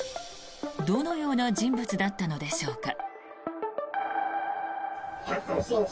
どのような人物だったのでしょうか。